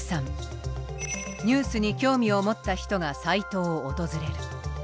ニュースに興味を持った人がサイトを訪れる。